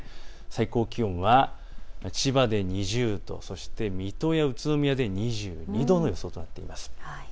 最高気温は千葉で２０度、水戸や宇都宮で２２度という予想になっています。